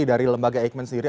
dari lembaga eikman sendiri